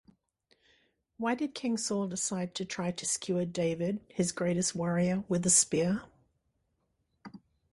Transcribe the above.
Why did King Saul decide try to skewer David-his greatest warrior-with a spear?